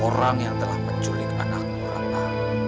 orang yang telah menculik anakku ratna